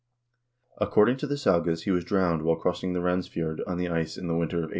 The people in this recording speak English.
According to the sagas he was drowned while crossing the Randsfjord on the ice in the winter of 860.